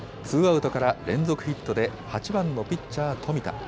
ツーアウトから連続ヒットで８番のピッチャー冨田。